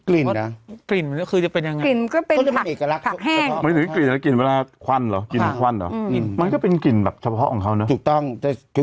แล้วกลิ่นมันเป็นยังไง